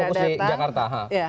kalau kita khusus di jakarta